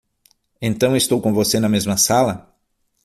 Então estou com você na mesma sala?